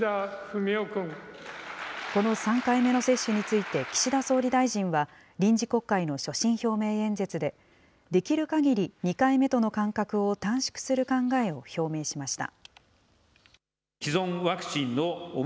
この３回目の接種について、岸田総理大臣は、臨時国会の所信表明演説で、できるかぎり２回目との間隔を短縮する考えを表明しました。